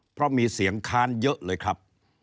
เพราะมีเสียงค้านเยอะเลยครับ